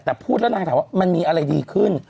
แต่พูดแล้วนางถามว่ามันมีอะไรดีขึ้น